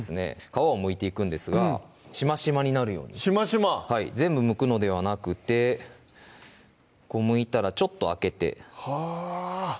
皮をむいていくんですがしましまになるようにしましま全部むくのではなくてむいたらちょっと空けてはぁ